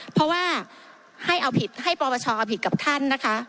เพราะว่าให้ปอปชอเอาผิดกับท่านนะคะ